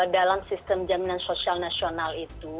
dalam sistem jaminan sosial nasional itu